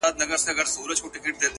ډېوه سلگۍ وهي کرار ـ کرار تياره ماتېږي-